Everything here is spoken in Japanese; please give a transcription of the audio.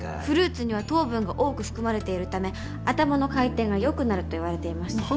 フルーツには糖分が多く含まれているため頭の回転が良くなるといわれています。